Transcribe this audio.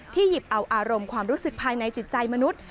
หยิบเอาอารมณ์ความรู้สึกภายในจิตใจมนุษย์